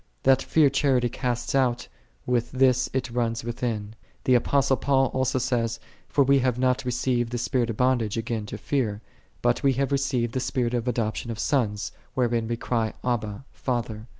That fear charity casteth out, with this it runneth within. The Apostle Paul also says, " For we have not received the spirit of bondage again to fear; but we have received the spirit of adoption of 'sons, wherein we cry, Abba, Father."'